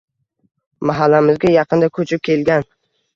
Mahallamizga yaqinda koʻchib kelgan